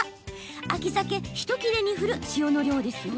秋ザケひと切れに振る塩の量ですよ。